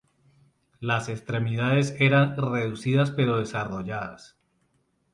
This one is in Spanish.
Las extremidades eran reducidas pero desarrolladas.